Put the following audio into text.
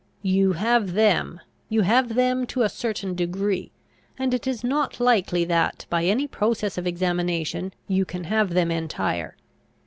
"You have them. You have them to a certain degree; and it is not likely that, by any process of examination, you can have them entire.